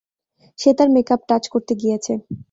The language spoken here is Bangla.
সে তার মেক আপ টাচ করতে গিয়েছে।